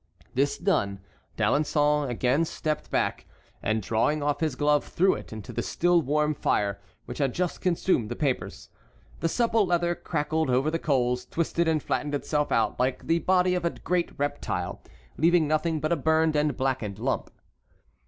This done, D'Alençon again stepped back, and drawing off his glove threw it into the still warm fire, which had just consumed the papers. The supple leather crackled over the coals, twisted and flattened itself out like the body of a great reptile, leaving nothing but a burned and blackened lump.